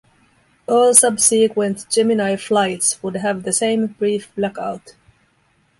All subsequent Gemini flights would have the same brief blackout.